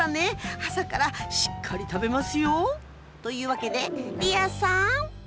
朝からしっかり食べますよ。というわけでリアさん！